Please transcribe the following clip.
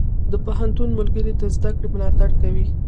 د پوهنتون ملګري د زده کړې ملاتړ کوي.